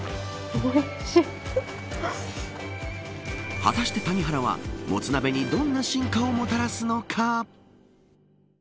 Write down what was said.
果たして、谷原はもつ鍋にどんな進化をもたらすのか。